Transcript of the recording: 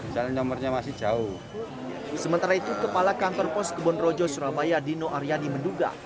sementara itu kepala kantor pos kebonrojo surabaya dino aryani menduga